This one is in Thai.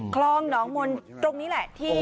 คลองหนองมนตรงนี้แหละที่